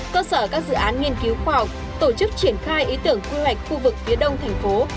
cơ sở các dự án nghiên cứu khoa học tổ chức triển khai ý tưởng quy hoạch khu vực phía đông thành phố